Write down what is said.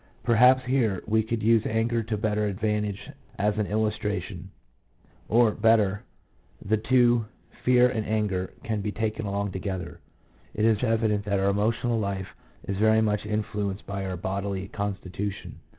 Perhaps here we could use anger to better advantage as an illustration ; or better, the two, fear and anger, can be taken along together. " It is evident that our emotional life is very much influenced by our bodily constitution.